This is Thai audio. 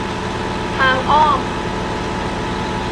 ทางอ้อม